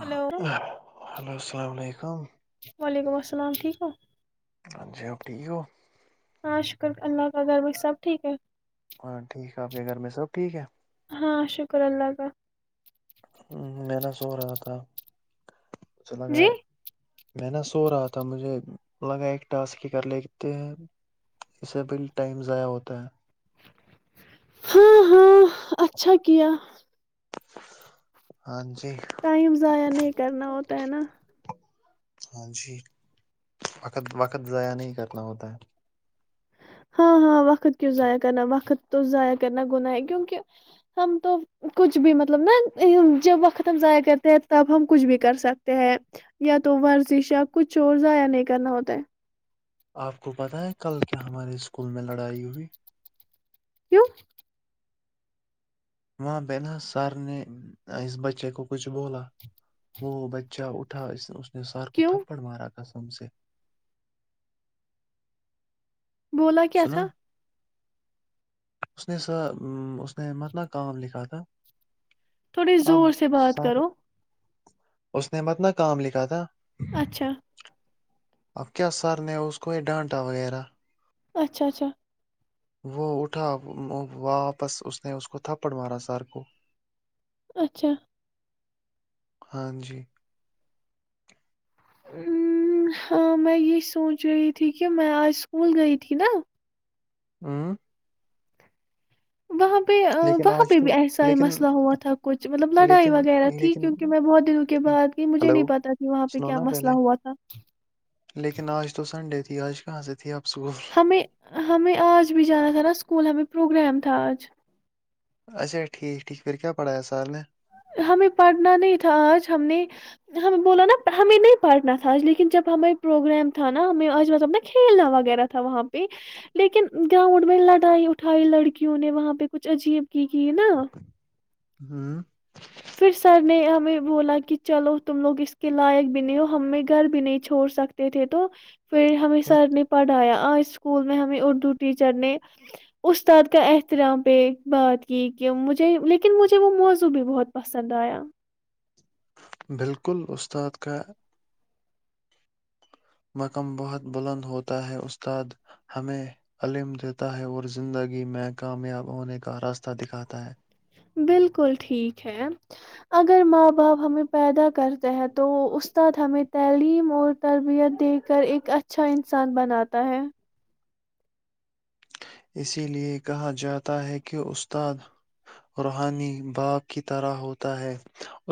Hello السلام علیکم وعلیکم السلام ٹھیک ہو ٹھیکو ہاں شکر اللہ کا گھرب سب ٹھیک ہے ہاں ٹھیک ہے آپ کے گھر میں سب ٹھیک ہے ہ ہاں شکر اللہ کا میں نے سو رہا تھا چلا گ جی میں نا سو رہا تھا مجھے لگا ایک ٹاسک ہی کر لیتے ہیں اسے بل ٹائم ضائع ہوتا ہے ہاں ہاں اچھا کیا ہاں جی ٹائم ضائع نہیں کرنا ہوتا ہے نا ہاں جی وقت وقت ضائع نہیں کرنا ہوتا ہے ہاں ہاں وقت کیوں ضائع کرنا وقت تو ضائع کرنا گناہ ہے کیونکہ ہم تو کچھ بھی مطلب نا جب وقت ہم ضائع کرتے ہیں تب ہم کچھ بھی کر سکتے ہیں یا تو ورزش یا کچھ اور ضائع نہیں کرنا ہوتا آپ کو پتہ ہے کل کیا ہمارے اسکول میں لڑائی ہوئی کیوں وہاں بہنا سر نے اس بچے کو کچھ بولا وہ بچہ اٹھا ان سارت کیوں تھپڑ مارا کاسن سے بولا کیا تھا سنا اس نے س اس نے متنا کام لکھا تھا تھوڑی اب زور سے بات سر کرو اس نے متنا کام لکھا تھا اچھا اب کیا سر نے اس کو یہ ڈانٹا وغیرہ اچھا اچھا وہ اٹھا واپس اس نے اس کو تھپڑ مارا سر کو اچھا ہاں جی ہاں میں یہ سوچ رہی تھی کہ میں آج اسکول گئی تھی نا ہ [unintelligible] وہاں پہ لیکن وہاں آج پہ بھی تو ایسا ہی لیکن مسئلہ ہوا تھا کچھ مطلب لڑائی لیکن وغیرہ تھی لیکن کیونکہ میں بہت دنوں کے بعد گئی مجھے نہیں ہلو پتاہ کہ وہاں پہ سنو کیا نا پہلے مسئلہ ہوا تھا جج کہاں سےھی آپ اسکول ہمیں ہمیں آج بھی جانا تھا نا اسکول ہمیں پروگرام تھاآ ج اچھا ٹھیک ٹھیک پھر کیا پڑھا ہے سار نے ہمیں پڑھنا نہیں تھا آج ہم نے ہمیں بولا نا ہمیں نہیں پڑھنا تھا آج لیکن جب ہمیں پروگرام تھا نا ہمیں آج بب ن کھیلنا وغیرہ تھا وہاں پہ لیکن گراؤنڈ میں لڑائی اٹھائی لڑکیوں نے وہاں پہ کچھ عجیب کی کی نہا ہوں پھر سر نے آ بولا کہ چلو تم لوگ اس کے لائق بھی نہیں ہو ہمیں گھر بھی نہیں چھوڑ سکتے تھے تو پھر ہمیں سر نے پڑھایا آج اسکول میں ہمیں اردو ٹیچر نے استاد کا احترام پہ بات کی کہ مجھے لیکن مجھے وہ موز بھی بہت پسند آیا [inaudible] مقم بہت بلند ہوتا ہے استاد ہمیں علم دیتا ہے اور زندگی میں کامیاب ہونے کا راستہ دکھاتا ہے بالکل ٹھیک ہے اگر ماں باپ ہمیں پیدا کرتے ہیں تو استاد ہمیں تعلیم اور تربیت دے کر ایک اچھا انسان بناتا ہے اسی لیے کہا جاتا ہے کہ استاد روحانی باپ کی طرح ہوتا ہے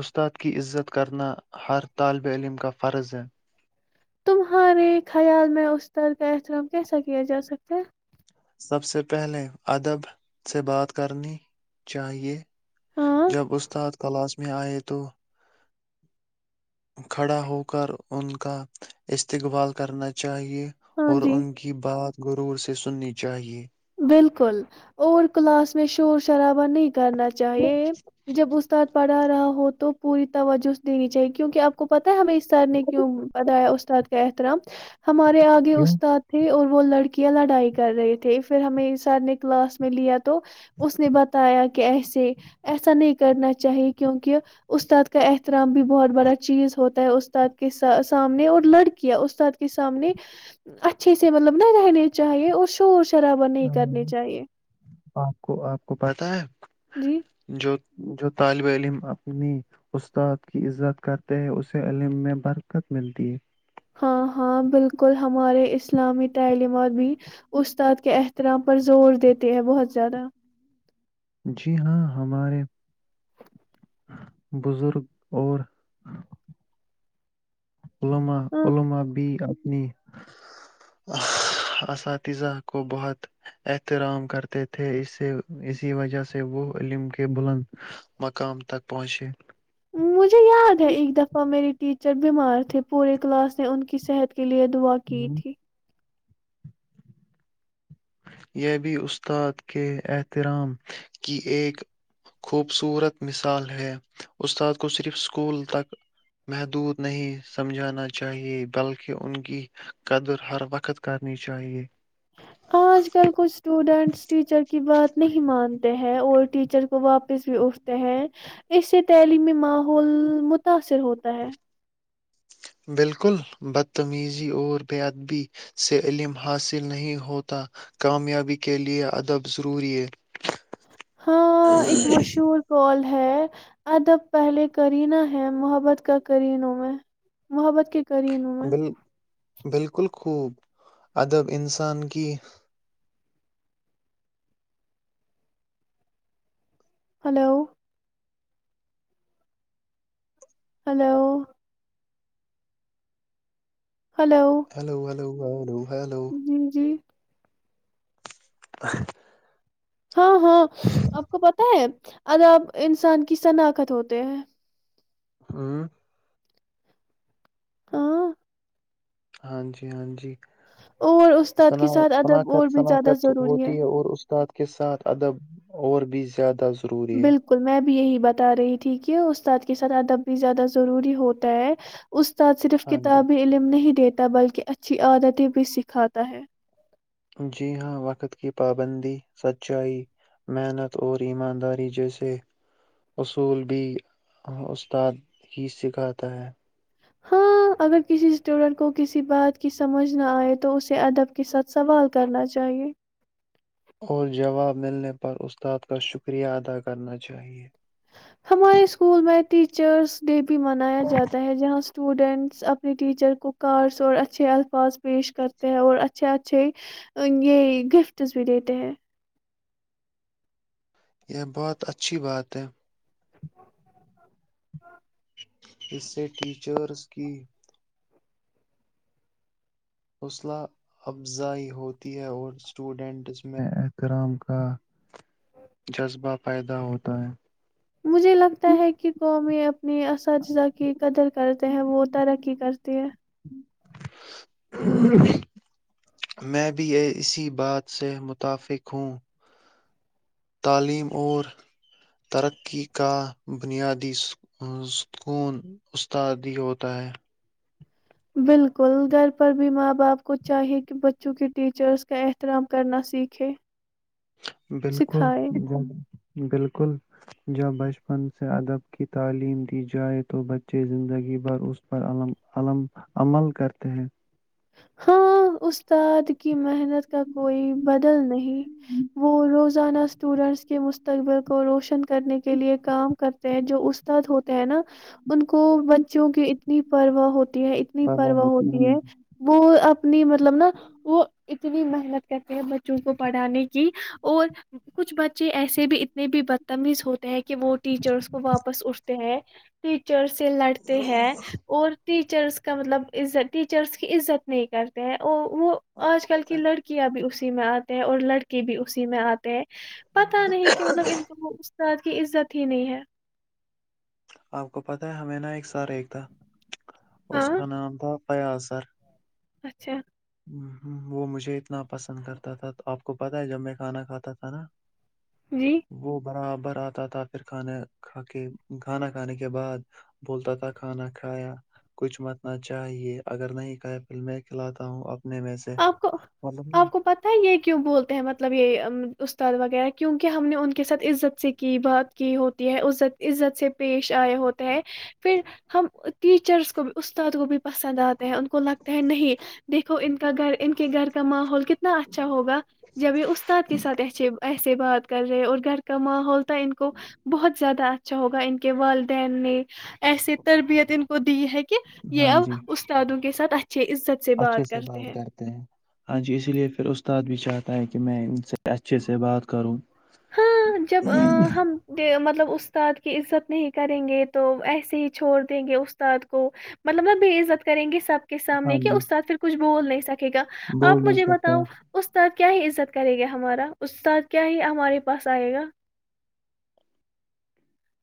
استاد کی عزت کرنا ہر طالب علم کا فرض ہے تمہارے خیال میں استاد کا احترام کیسا کیا جا سکتا ہے سب سے پہلے ادب سے بات کرنی چاہیے ہاں جب استاد کلاش میں آئے تو کھڑا ہو کر ان کا استقبال کرنا چاہیے ہاں اور جی ان کی بات غرور سے سننی چاہیے بالکل اور کلاس میں شور شراب نہیں کرنا چاہیے جب استاد پڑھ رہا ہو تو پوری توجہ دینی چاہیے کیونکہ آپ کو پت ہے ہمیں اس سر نے کیوں بناایا استاد کا احترام ہمارے آگے کیوں استاد تھے اور وہ لڑکیاں لڑائی کر رہے تھے پھر ہمیں سر نے کلاس میں لیا تو اس نے بتایا کہ ایسے ایسا نہیں کرنا چاہیے کیونکہ استاد کا احترام بھی بہت بڑا چیز ہوتا ہے استاد کے سامنے اور لڑکیاں استاد کے سامنے اچھے سے مطلب نہ رہنے چاہیے اور شور شرابہ ہ نہیں کرنی چاہیے آپ کو آپ کو پتا ہے جی جو جو طالب علم اپنی استاد کی عزت کرتے ہیں اسے علم میں برکت ملتی ہے ہاں ہاں بالکل ہمارے اس اسلامی تعلیمات بھی استاد کے ات طرح پر زور دیتے ہیں بہت زیادہ جی ہاں ہمارے بزرگ اور عوما ہاں علوما بی اساتذہ کو بہت احترام کرتے تھے اس سے اسی وجہ سے وہ علم کے بلند مقام تک پہنچے مجھے یاد ہے ایک دفعہ میری ٹیچر بیمار تھے پورے کلاس نے ان کی صحت کے لیے دعا کی ہوں، تھی یہ بھی استاد کے احترام کی ایک خوبصورت مثال ہے استاد کو صرف اسکول تک محدود نہیں سمجھانا چاہیے بلکہ ان کی قدر ہر وقت کرنی چاہیے آج کل کچھ اسٹوڈینٹس ٹیچر کی بات نہیں مانتے ہیں اور ٹیچر وہ واپس بھی اٹھتے ہیں اس سے تعلیمی ماحول متاثر ہوتا ہے بالکل بدتمیزی اور بے ادبی سے علم حاصل نہیں ہوتا کامیابی کے لے ادب ضروری ہے ہاں ایک مشہور کال ہے ادب پہلے کرینہ ہے محبت کا کرینوں میں محبت کے کرینوں میں بال بالکل خوب ادب انسان کی hello hello hello hello hello ا دو جی جی [unintelligible] ہاں ہاں آپ کو پتا ہے اگر آپ انسان کی شناخت ہوتے ہیں ہوں ہاں ہاں جی ہاں جی اور استاد کے ساتھ ادب شناخت اور بھی زیادہ شناخت ضروری ہوتی ہے اور استاد کے ساتھ ادب اور بھی زیادہ ضروری ہے بالکل میں بھی یہی بتا رہی تھی کہ استاد کے ساتھ ادب بھی زیادہ ضروری ہوتا ہے اسستاد صرف ہاں جی کتابی علم نہیں دیتے بلکہ اچھی عادتیں بھی سکھاتا ہے جی ہاں وقت کی پابندی سچائی محنت اور ایمانداری جیسے اصول بھی استاد ہی سکھاتا ہے ہاں اگر کسی اسٹوڈینٹ کو کسی بات کی سمجھ نہ آئے تو اسے ادب کے ساتھ سوال کرنا چاہیے اور جواب ملنے پر استاد کا شکریہ ادا کرنا چاہیئے ہمارے اسکول میں ٹیچرس ڈے بھی منایا جاتا ہے جہاں اسٹوڈینٹس اپنے ٹیچر کو کارس اور اچھے الفاظ پیش کرتے ہیں اور اچھے اچھے یہ گفٹس بھی دیتے ہیں یہ بہت اچھی بات ہے اس سے ٹیچرس کی حوصلہ افزائی ہوتی ہے اور اسٹوڈنٹس میں احترام کا جذبہ پیدا ہوتا ہے مجھے لگتا ہے کہ قومی اپنی اساتذہ کی قدر کرتے ہیں وہ ترقی کرتی ہے میں بھی اسی بات سے متفق ہوں تعلیم اور ترقی کا بنیادی ستکون استادی ہوتا ہے بالکل گھر پر بھی ماں باپ کو چاہیے کہ بچوں کے ٹیچرز کا احترام کرنا سیکھے بالکل سکھائے بالکل جب بچپن سے ادب کی تعلیم دی جائے تو بچے زندگی بھر اس پر عمل کرتے ہیں ہاں استاد کی محنت کا کوئی بدل نہیں وہ روزانہ اسٹوڈینٹس کے مستقبل کو روشن کرنے کے لیے کام کرتے ہیں جو استاد ہوتے ہیں نا ان کو بچوں کی اتنی پروا ہوتی ہے اتنی پروا ہوتی ہے اپنی مطلب نا وہ اتنی محنت کرتے ہیں بچوں کو پڑھانے کی اور کچھ بچے ایسے بھی اتنے بھی بدتمیز ہوتے کہ وہ ٹیچرس کو واپس اٹھتے ہیں تو چر سے لڑتے ہیں اور ٹیچرس کا مطلب عت ٹیچرس عزت نہیں کرتے ہیں وہ وہ آپ آج کو کل پتا کی ہے لڑکیاں بھی اس اسی میں آتے ہیں اور لڑکے بھی اسی میں آتے ہیں پتا نہیں کہ مطلب ان کا س کی عزت ہی نہیں ہے آپ کو پتاہ ہے ہمیں نا ایک ر تھا اس ہاں کا نام تھا فیاضازر اچھا ہ وہ مجھے اتنا پسند کرتا تھا تو آپ کو پتاہ ہے جب میں کھانا کھاتا تھا نا جی وہ براب بر آتا تھا پھر کھانا کھا کے کھانا کھانے کے بعد بولتا تھا کھانا کھایا کچھ متنا چاہیے اگر نہیں کھایا پھر میں کھلاتا ہوں اب آپ کو آپ کو پت ہے یہ کیوں بولتے ہیں مطلب یہ استاد وغیرہ کیونکہ ہم نے ان کے ساتھ عزت سے کی بات کی ہوتی ہے عت عزت سے پیش آئے ہوتا ہے پھر ہم ٹیچرس کو بھی استاد کو بھی پسند آتے ہیں ان کو لگتا ہے نہیں دیکھو گھر ان کے گھر کا ماحول کتنا اچھا ہوگا جب یہ استاد کے ساتھ ایسےے سے بات کر رہے اور گھر کا ماحول ان کو بہت زیادہ اچھ اچھا ہوگا ان کے والدین نے ایسے تربیت ان کو دی ہے کہ کہ یہ ہاں اب جی استادوں کے ساتھ اچھے عزت سے بات کرتے ہیں ہاں جی اسی لیے پھر استاد بھی چاہتا ہے کہ میں ان سے اچھے سے بات کروں ہاں جب ہم مطلب استاد کی عزت نہیں کریں گے تو ایسے ہی چھوڑ دیں گے استاد کو مطلب نہ بے عزت کریں گے سب کے ہاں سامنے کے جی اس سھ پھر کچھ بول نہیں سکتے گا بول آپ نہیں مجھے سکتا بتاؤ اس طر عزت کریں گے ہمارا استاد کیا ہے ہمارے بس آئے گا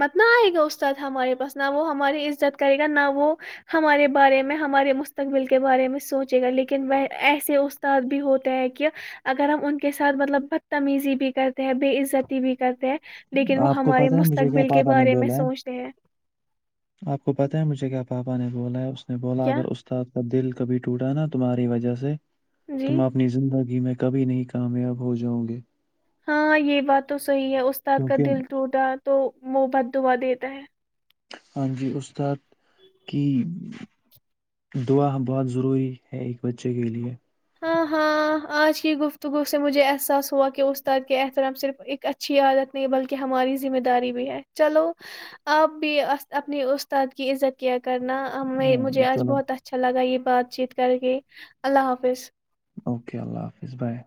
مت نہ آئے گا استاد ہمارے پاس نہ وہ ہماری عزت کرے گا نہ وہ ہمارے بارے میں ہمارے مستقبل کے بارے میں سوچے گا لیکن ایسے استاد بھی ہوتے ہے کہ اگر ہم ان کے ساتھ مطلب بدتمیزی بھی کرتے ہیں بے عزتی بھی کرتے ہیں لیکن ہے۔ وہ آپ کو ہمارے پتہ م ہے مجھے کیا پاپا نے بولا ہے آپ کو پتا ہے مجھے کیا پاپا نے بولایا اس بولا کیا اگر استاد کا دل کبھی ٹوٹا نا تمہاری وجہ سے جی تم اپنی زندگی میں کبھی نہیں کامیاب ہو جاؤں گے ہاں یہ بات تو صحیح ہے استاد کا کیونکہ دل ٹوٹا تو محبد دعا دی [inaudible] ہاں جی استا کہ دعا بہت ضروری ہے ایک بچے کے لیے ہاں ہاں آج کی گفتگو سے مجھے احساس ہوا کہ استاد کے احترام صرف ایک اچھی عادت نہیں بلکہ ہماری ذمہ داری بھی ہے چلو آپ بھی اپنے استاد کی عزت کیا کرنا ہاں مجھے جی آج چلو بہت اچھا لگا یہ بات چیت کر کے اللہ حافظ اوکے اللہ حافظ بائے